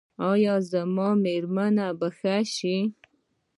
ایا زما میرمن به ښه شي؟